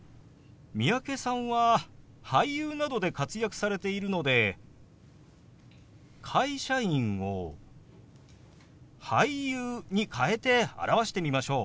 三宅さんは俳優などで活躍されているので「会社員」を「俳優」に変えて表してみましょう。